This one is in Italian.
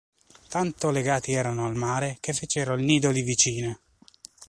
Tanto legati erano al mare che fecero il nido lì vicino.